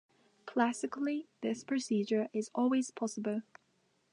Classically this procedure is always possible.